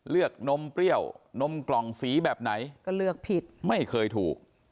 นมเปรี้ยวนมกล่องสีแบบไหนก็เลือกผิดไม่เคยถูก